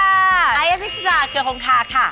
อายะพิชาเกือบของค่าค่ะ